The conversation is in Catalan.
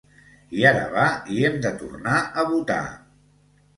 I ara va i hem de tornar a votar!